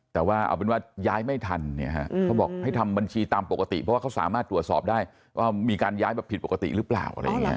แต่ว่าย้ายไม่ทันเขาบอกให้ทำบัญชีตามปกติเพราะเขาสามารถตรวจสอบได้ว่ามีการย้ายผิดปกติหรือเปล่า